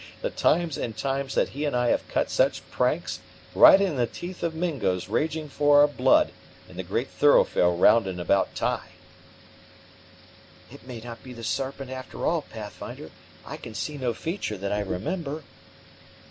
The times and times that he and I have cut such pranks, right in the teeth of Mingos raging for our blood, in the great thoroughfare round and about Ty!" "It may not be the Serpent after all, Pathfinder; I can see no feature that I remember."